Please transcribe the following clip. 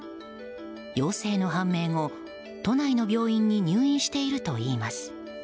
陽性の判明後、都内の病院に入院しているといいます。